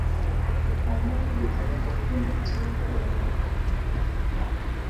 Omwezi guno gunaatera okuggwako.